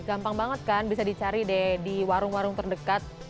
gampang banget kan bisa dicari deh di warung warung terdekat